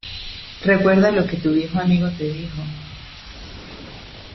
Recuerda lo que tu viejo amigo te dijo